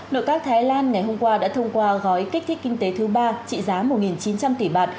nội các thái lan ngày hôm qua đã thông qua gói kích thích kinh tế thứ ba trị giá một chín trăm linh tỷ bạt